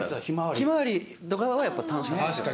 ひまわりとかはやっぱり楽しかったですよ。